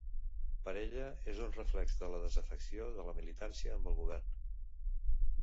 Per ella, és un reflex de la “desafecció” de la militància amb el govern.